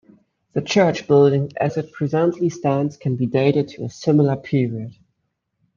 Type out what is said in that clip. The church building as it presently stands can be dated to a similar period.